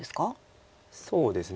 そうですね。